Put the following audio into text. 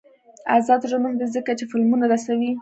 آزاد تجارت مهم دی ځکه چې فلمونه رسوي.